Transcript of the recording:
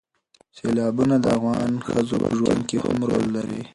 سیلابونه د افغان ښځو په ژوند کې هم رول لري.